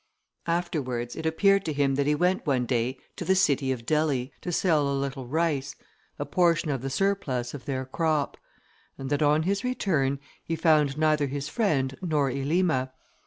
Afterwards it appeared to him that he went one day to the city of Delhi, to sell a little rice, a portion of the surplus of their crop; and that on his return he found neither his friend nor Elima.